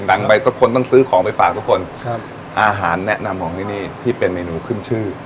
ดังไปทุกคนต้องซื้อของไปฝากทุกคนครับอาหารแนะนำของที่นี่ที่เป็นเมนูขึ้นชื่อ